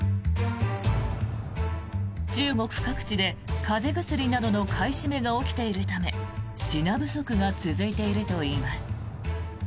中国各地で風邪薬などの買い占めが起きているため品不足が続いているといいます。